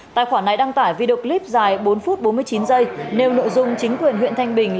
tài khoản này đăng tải video clip dài bốn phút bốn mươi chín giây nêu nội dung chính quyền huyện thanh bình